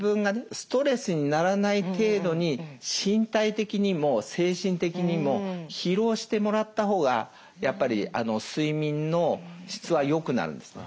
ストレスにならない程度に身体的にも精神的にも疲労してもらった方がやっぱり睡眠の質は良くなるんですね。